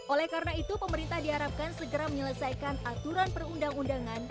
oleh karena itu pemerintah diharapkan segera menyelesaikan aturan perundang undangan